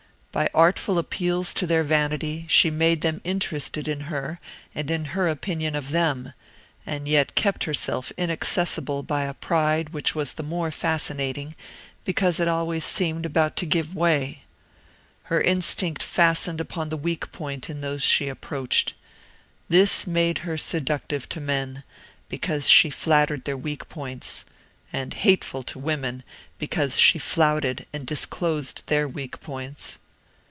By artful appeals to their vanity, she made them interested in her and in her opinion of them, and yet kept herself inaccessible by a pride which was the more fascinating because it always seemed about to give way. Her instinct fastened upon the weak point in those she approached. This made her seductive to men, because she flattered their weak points; and hateful to women, because she flouted and disclosed their weak points.